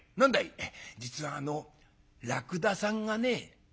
「実はあのらくださんがね」。